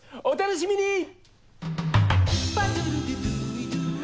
お楽しみに！